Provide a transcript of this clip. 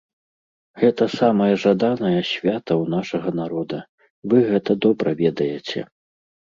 Гэта самае жаданае свята ў нашага народа, вы гэта добра ведаеце.